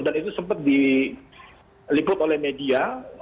dan itu sempat diliput oleh media